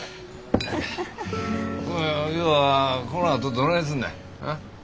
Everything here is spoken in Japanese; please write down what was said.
今日はこのあとどないすんねん。